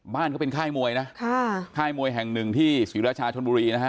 บ้านเขาเป็นค่ายมวยนะค่ะค่ายมวยแห่งหนึ่งที่ศรีราชาชนบุรีนะฮะ